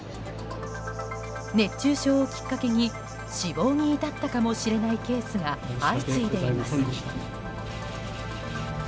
熱中症をきっかけに死亡に至ったかもしれないケースが相次いでます。